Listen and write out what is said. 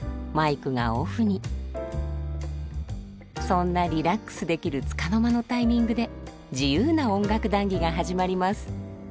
そんなリラックスできるつかの間のタイミングで自由な音楽談議が始まります。